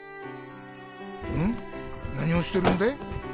ん？何をしてるんだい？